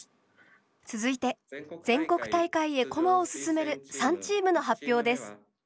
続いて全国大会へ駒を進める３チームの発表です。